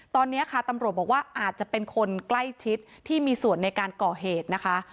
ตอนนี้ค่ะตำรวจบอกว่าอาจจะเป็นคนใกล้ชิดที่มีส่วนในการก่อเหตุนะคะ